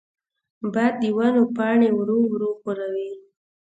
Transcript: باد د ونو پاڼې ورو ورو ښوروي.